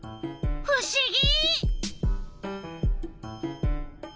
ふしぎ！